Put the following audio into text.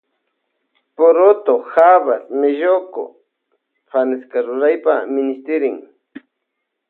Purutu habas melloco fanesca ruraypa minishtirin.